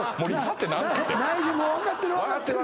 ってないしもう分かってる分かってる